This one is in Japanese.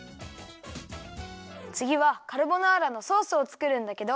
つぎはカルボナーラのソースをつくるんだけど。